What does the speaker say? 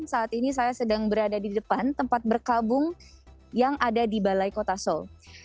saat ini saya sedang berada di depan tempat berkabung yang ada di balai kota seoul